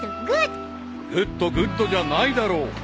［「グッド！グッド！」じゃないだろう］